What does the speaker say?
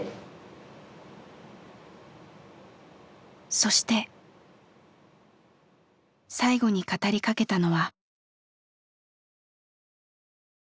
そして最後に語りかけたのは。